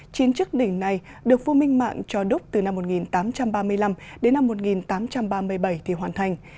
chín chức đỉnh này được vua minh mạng cho đúc từ năm một nghìn tám trăm ba mươi năm đến năm một nghìn tám trăm ba mươi bảy thì hoàn thành